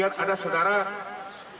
yang pertama adalah alihnya